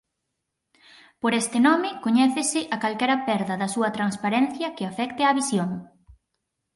Por este nome coñécese a calquera perda da súa transparencia que afecte á visión.